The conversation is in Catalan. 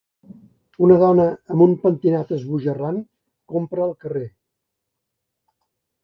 Una dona amb un pentinat esbojarrant compra al carrer.